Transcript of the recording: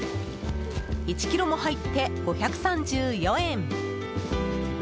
１ｋｇも入って５３４円。